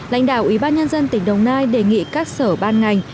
lãnh đạo ủy ban nhân dân tỉnh đồng nai đề nghị các sở ban ngành